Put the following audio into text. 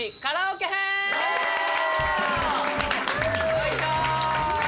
よいしょー！